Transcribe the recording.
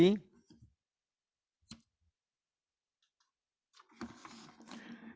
dan juga para penduduk yang telah menjalankan perkebunan kelapa sawit